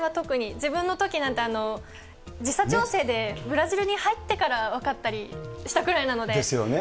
自分のときなんて、時差調整でブラジルに入ってから分かったりしたくらいなので。